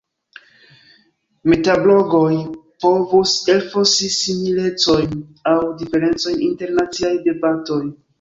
Metablogoj povus elfosi similecojn aŭ diferencojn inter naciaj debatoj.